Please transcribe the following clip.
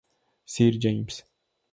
Sir James!